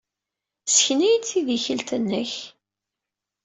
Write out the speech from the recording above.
Ssken-iyi-d tidikelt-nnek.